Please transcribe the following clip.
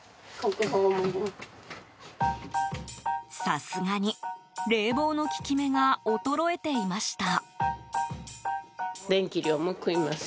さすがに冷房の効き目が衰えていました。